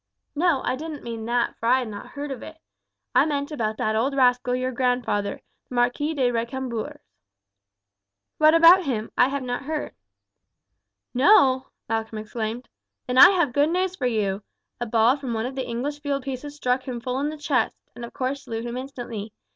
"No, I didn't mean that, for I had not heard of it. I mean about that old rascal your grandfather, the Marquis de Recambours." "What about him? I have not heard." "No!" Malcolm exclaimed; "then I have good news for you. A ball from one of the English field pieces struck him full in the chest, and of course slew him instantly.